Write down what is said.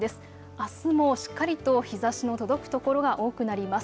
あすもしっかりと日ざしの届く所が多くなります。